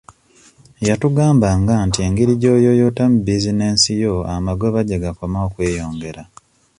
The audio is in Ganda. Yatugambanga nti engeri gy'oyooyootamu bizinesi yo amagoba gye gakoma okweyongera.